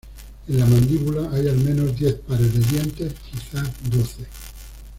En la mandíbula hay al menos diez pares de dientes, quizás doce.